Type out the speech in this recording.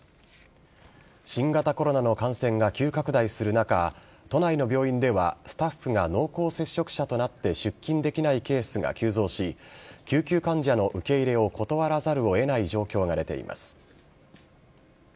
新型コロナの感染が急拡大する中、都内の病院ではスタッフが濃厚接触者となって出勤できないケースが急増し、救急患者の受け入れを断らざるをえない状況が出ています。